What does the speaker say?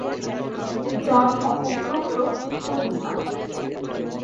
যার অপভ্রংশ ফতুল্লা।